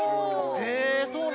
へえそうなんだ。